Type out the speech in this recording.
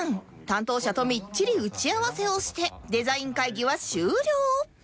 担当者とみっちり打ち合わせをしてデザイン会議は終了